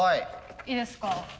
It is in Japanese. いいですか。